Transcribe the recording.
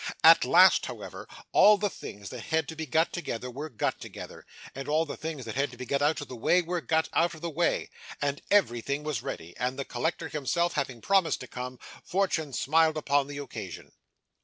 At last, however, all the things that had to be got together were got together, and all the things that had to be got out of the way were got out of the way, and everything was ready, and the collector himself having promised to come, fortune smiled upon the occasion.